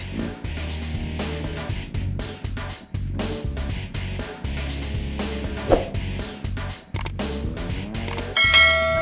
kamu kabarin boy sekarang